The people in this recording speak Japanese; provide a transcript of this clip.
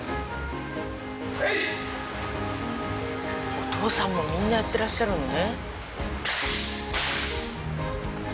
お父さんもみんなやってらっしゃるのね。